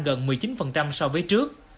gần một mươi chín so với trước